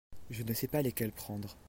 Je ne sais pas lesquelles prendre.